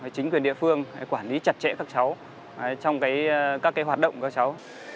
chính quyền địa phương quản lý chặt chẽ các cháu trong các hoạt động của các cháu